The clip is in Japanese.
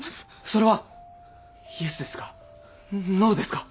それはイエスですか？